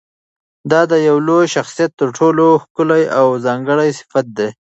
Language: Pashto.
دا د یوه لوی شخصیت تر ټولو ښکلی او ځانګړی صفت دی.